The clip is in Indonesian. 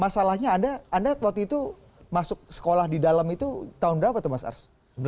masalahnya anda waktu itu masuk sekolah di dalam itu tahun berapa tuh mas ars